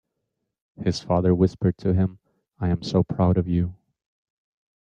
Her father whispered to him, "I am so proud of you!"